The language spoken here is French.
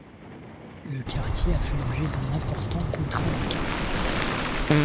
Le quartier a fait l'objet d'un important contrat de quartier.